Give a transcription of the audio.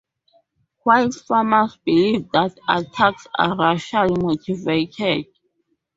White farmers believe that attacks are racially motivated.